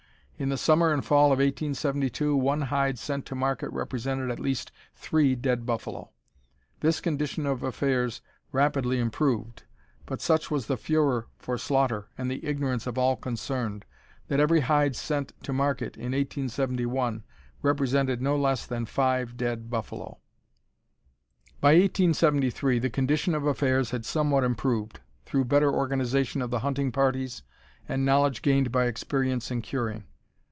In the summer and fall of 1872 one hide sent to market represented at least three dead buffalo. This condition of affairs rapidly improved; but such was the furor for slaughter, and the ignorance of all concerned, that every hide sent to market in 1871 represented no less than five dead buffalo. By 1873 the condition of affairs had somewhat improved, through better organization of the hunting parties and knowledge gained by experience in curing.